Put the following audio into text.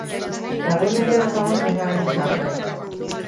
Dagoeneko ez dago sarrerarik salgai.